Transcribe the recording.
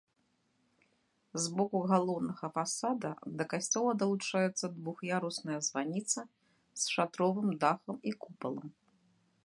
З боку галоўнага фасада да касцёла далучаецца двух'ярусная званіца з шатровым дахам і купалам.